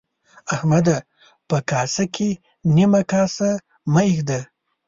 احمده! په کاسه کې نيمه کاسه مه اېږده.